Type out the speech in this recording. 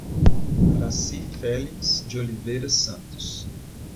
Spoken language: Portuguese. Araci Felix de Oliveira Santos